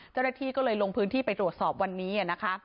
เจรฐีก็เลยลงพื้นที่ไปตรวจสอบวันนี้นะคะ